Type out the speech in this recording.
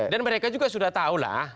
dan mereka juga sudah tahu lah